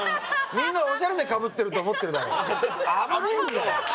みんなおしゃれでかぶってると思ってるだろ。